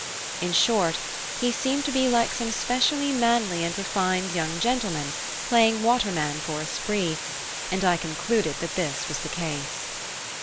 In short, he seemed to be like some specially manly and refined young gentleman, playing waterman for a spree, and I concluded that this was the case.